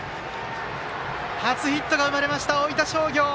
初ヒットが生まれました大分商業。